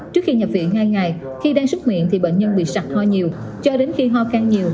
trước khi nhập viện hai ngày khi đang súc miệng thì bệnh nhân bị sặc ho nhiều cho đến khi ho khăn nhiều